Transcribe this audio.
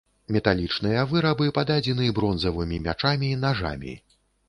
Металічныя вырабы пададзены бронзавымі мячамі, нажамі.